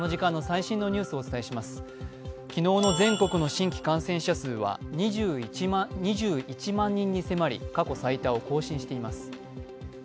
昨日の全国の新規感染者数は２１万人に迫り過去最多を更新しています。